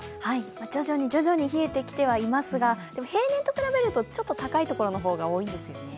徐々に徐々に冷えてきてはいますが平年と比べると、高いところの方が多いんですよね。